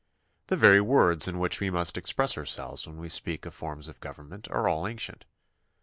The very words in which we must express ourselves when we speak of forms of government are all ancient.